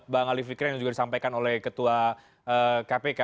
bang ali fikri yang juga disampaikan oleh ketua kpk